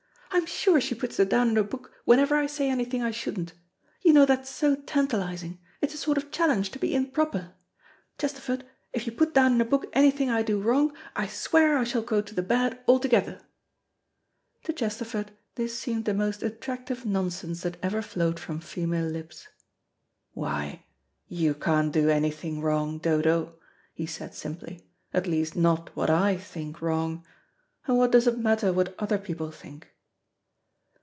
I am sure she puts it down in a book whenever I say anything I shouldn't. You know that's so tantalising. It is a sort of challenge to be improper. Chesterford, if you put down in a book anything I do wrong, I swear I shall go to the bad altogether." To Chesterford this seemed the most attractive nonsense that ever flowed from female lips. "Why, you can't do anything wrong, Dodo," he said simply; "at least not what I think wrong. And what does it matter what other people think?"